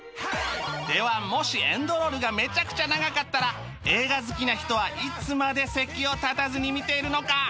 ではもしエンドロールがめちゃくちゃ長かったら映画好きな人はいつまで席を立たずに見ているのか？